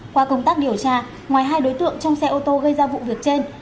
qua công tác điều tra ngoài hai đối tượng trong xe ô tô gây ra vụ việc trên